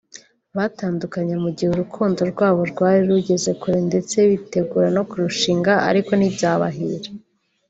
Batandukanye mu igihe urukundo rwabo rwari rugeze kure ndetse bitegura no ku rushinga ariko ntibyabahira